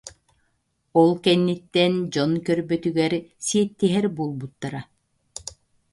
Ол кэнниттэн дьон көрбөтүгэр сиэттиһэр буолбуттара